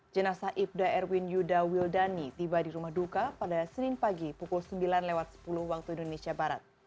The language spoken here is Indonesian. jenasa ibda erwin yuda wildani tiba di rumah duka pada senin pagi pukul sembilan sepuluh waktu indonesia barat